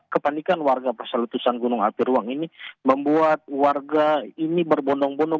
kepanikan warga pas letusan gunung api ruang ini membuat warga ini berbondong bondong